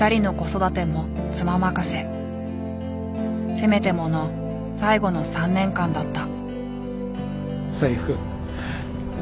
せめてもの最後の３年間だった。